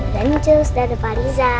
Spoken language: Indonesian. dan cus dadah pak riza